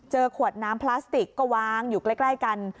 ขวดน้ำพลาสติกก็วางอยู่ใกล้กัน